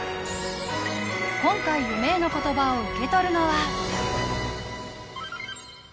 今回夢への言葉を受け取るのは。